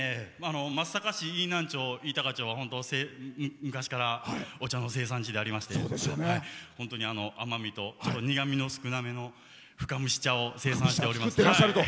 松阪市飯南町飯高は昔からお茶の生産地でありまして本当に甘みと苦みの少ない深蒸し茶を使っています。